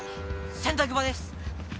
洗濯場です。